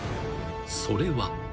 それは］